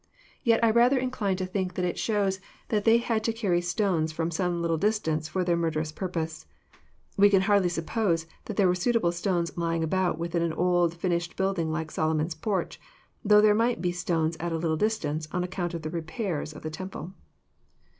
Yet I rather incline to think that it shows that they had to carry stones from some little distance for their murderous purpose. We can hardly suppose there were suitable stones lying about within an old finished building like Solomon*s porch, though there might be stones at a little distance on account of the repairs of the temple.